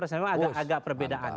memang agak perbedaan